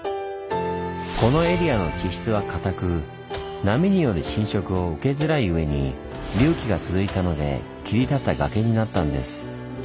このエリアの地質はかたく波による侵食を受けづらいうえに隆起が続いたので切り立った崖になったんです。